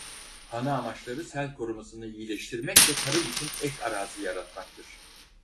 Ana amaçları sel korumasını iyileştirmek ve tarım için ek arazi yaratmaktır.